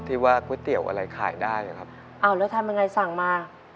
ที่ว่าก๋วยเตี๋ยวอะไรขายได้ครับอ้าวแล้วทำยังไงสั่งมา